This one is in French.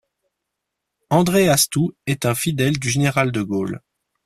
André Astoux est un fidèle du général de Gaulle.